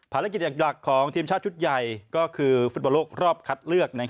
ภารกิจหลักของทีมชาติชุดใหญ่ก็คือฟุตบอลโลกรอบคัดเลือก